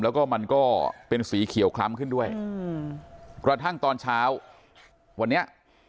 แล้วก็มันก็เป็นสีเขียวคล้ำขึ้นด้วยอืมกระทั่งตอนเช้าวันนี้